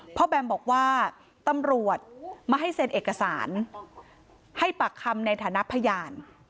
แบมบอกว่าตำรวจมาให้เซ็นเอกสารให้ปากคำในฐานะพยาน